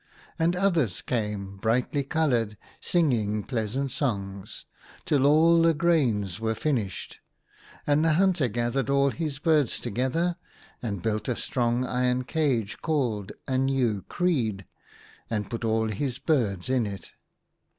And others came, brightly coloured, singing pleasant songs, till all the grains were finished. And the hunter gathered all his birds together, and built a strong iron cage called a new creed, and put all his birds in it.